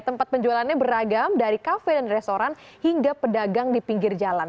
tempat penjualannya beragam dari kafe dan restoran hingga pedagang di pinggir jalan